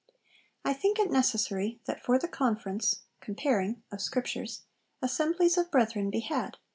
'I think it necessary that for the conference [comparing] of Scriptures, assemblies of brethren be had.